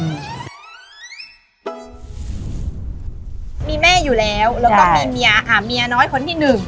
มีแม่อยู่แล้วแล้วก็มีเมียอ่าเมียน้อยคนที่หนึ่ง